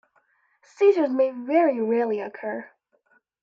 Seizures may very rarely occur.